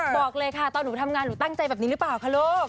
บอกเลยค่ะตอนหนูทำงานหนูตั้งใจแบบนี้หรือเปล่าคะลูก